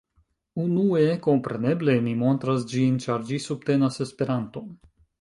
Unue, kompreneble mi montras ĝin ĉar ĝi subtenas Esperanton